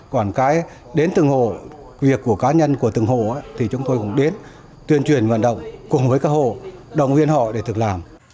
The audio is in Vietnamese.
còn cái đến từng hồ việc của cá nhân của từng hồ thì chúng tôi cũng đến tuyên truyền vận động cùng với các hồ đồng viên họ để thực làm